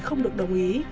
không được đồng ý